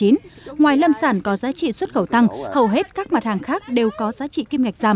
ngoài lâm sản có giá trị xuất khẩu tăng hầu hết các mặt hàng khác đều có giá trị kim ngạch giảm